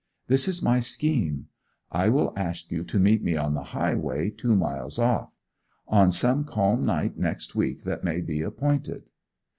This is my scheme. I will ask you to meet me on the highway two miles off; on some calm night next week that may be appointed.